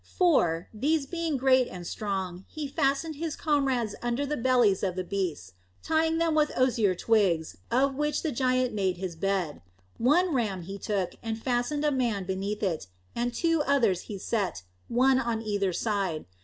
For, these being great and strong, he fastened his comrades under the bellies of the beasts, tying them with osier twigs, of which the giant made his bed. One ram he took, and fastened a man beneath it, and two others he set, one on either side.